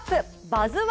「バズ☆１」